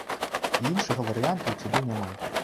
І іншага варыянту ў цябе няма.